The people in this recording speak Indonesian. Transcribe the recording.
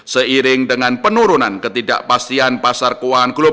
seiring dengan nilai tukar rupiah diperlukan untuk memasuk modal asing ke pasar keuangan domestik